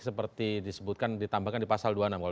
seperti disebutkan ditambahkan di pasal dua puluh enam